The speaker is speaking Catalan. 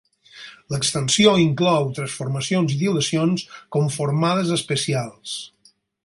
L'extensió inclou transformacions i dilacions conformades especials.